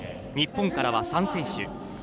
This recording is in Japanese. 日本からは３選手。